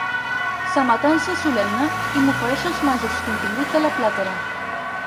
Se m'atansa solemne i m'ofereix els màgics continguts de la plàtera.